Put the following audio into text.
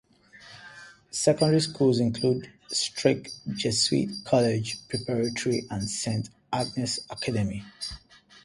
Secondary schools include Strake Jesuit College Preparatory and Saint Agnes Academy.